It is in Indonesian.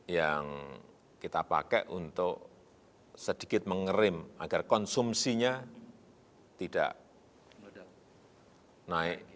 yang kita pakai untuk sedikit mengerim agar konsumsinya tidak naik